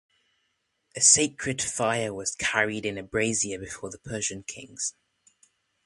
A sacred fire was carried in a brazier before the Persian kings.